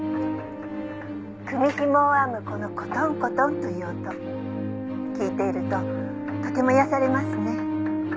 「組紐を編むこのコトンコトンという音聞いているととても癒やされますね」